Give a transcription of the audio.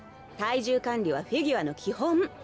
体重管理はフィギュアの基本。